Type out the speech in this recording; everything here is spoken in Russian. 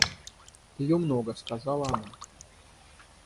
Пьют много, — сказала она.